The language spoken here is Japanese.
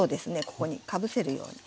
ここにかぶせるように。